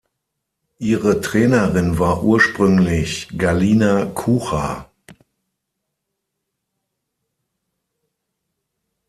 Ihre Trainerin war ursprünglich Galina Kuchar.